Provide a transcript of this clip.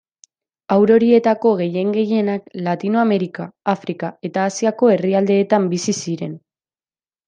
Haur horietako gehien-gehienak Latinoamerika, Afrika eta Asiako herrialdeetan bizi ziren.